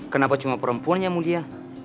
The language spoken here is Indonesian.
kenapa cuma perempuan yang mulia